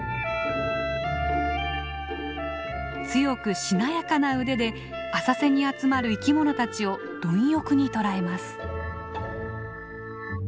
強くしなやかな腕で浅瀬に集まる生きものたちを貪欲に捕らえます。